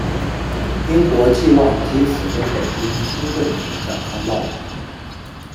英国冀望藉此跟北京新政权展开贸易。